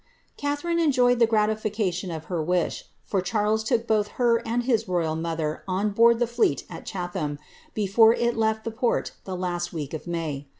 ^' Catharine enjoyed the gratification of her wish, for Charles took both her and his roval mother on board the fleet at Chatham, before it left the port, the last week in May.